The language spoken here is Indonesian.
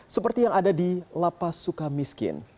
seperti yang ada di lapa sukamiskin